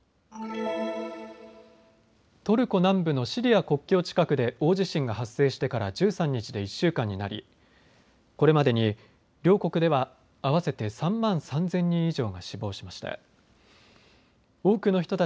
トルコ南部のシリア国境近くで大地震が発生してから１３日で１週間になり、これまでに両国では合わせて３万３０００人以上が死亡しました。